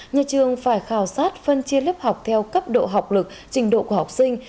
nhà trường phải khảo sát phân chia lớp học theo cấp độ học lực trình độ của học sinh